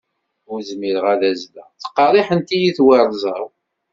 Ur zmireɣ ad azzleɣ, ttqerriḥent-iyi twerẓa-w.